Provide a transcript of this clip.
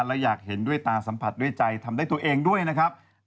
และอยากเห็นด้วยตาสัมผัสด้วยใจทำด้วยตัวเองด้วยนะครับ